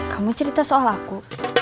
kamu cerita soal aku